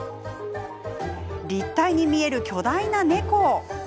立体に見える巨大な猫。